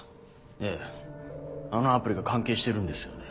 ええあのアプリが関係してるんですよね？